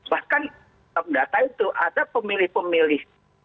bahkan dalam data itu ada pemilih pemilih